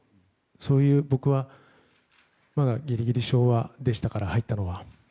そういう僕はギリギリ昭和でしたから入ったのが。